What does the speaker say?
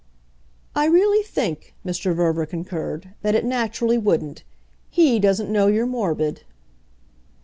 "I really think," Mr. Verver concurred, "that it naturally wouldn't. HE doesn't know you're morbid."